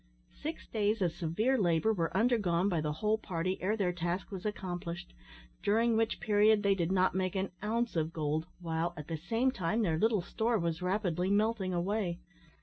Six days of severe labour were undergone by the whole party ere their task was accomplished, during which period they did not make an ounce of gold, while, at the same time, their little store was rapidly melting away.